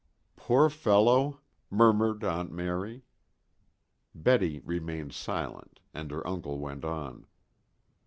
"Poor fellow," murmured Aunt Mary. Betty remained silent, and her uncle went on.